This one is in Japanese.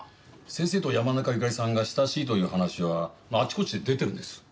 先生と山中由佳里さんが親しいという話はもうあちこちで出てるんです。